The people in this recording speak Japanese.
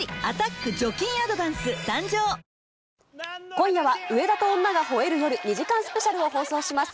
今夜は、上田と女が吠える夜２時間スペシャルを放送します。